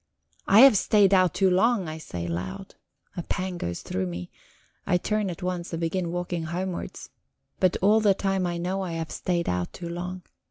"I have stayed out too long," I say aloud. A pang goes through me; I turn at once and begin walking homewards, but all the time I know I have stayed out too long.